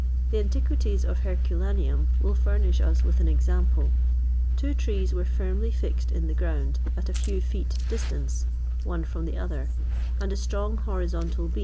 The antiquities of Herculaneum will furnish us with an example. Two trees were firmly fixed in the ground, at a few feet distance one from the other, and a strong horizontal beam rested on their summit.